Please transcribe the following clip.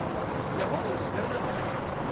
いや本人知らなかったんじゃないの？